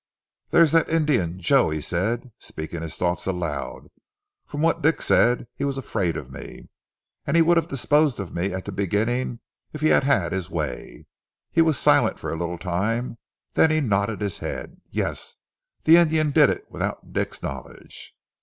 "There's that Indian Joe," he said, speaking his thoughts aloud. "From what Dick said he was afraid of me ... and he would have disposed of me at the beginning if he had had his way!" He was silent for a little time, then he nodded his head. "Yes! The Indian did it without Dick's knowledge."